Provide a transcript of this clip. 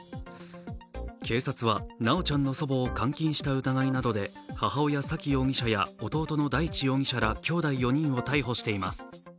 警察は修ちゃんの祖母を監禁した疑いなどで母親、沙喜容疑者や弟の大地容疑者らきょうだい４人を逮捕しています。